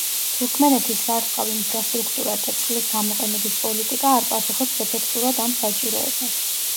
თურქმენეთის სარწყავი ინფრასტრუქტურა და წყლის გამოყენების პოლიტიკა არ პასუხობს ეფექტურად ამ საჭიროებას.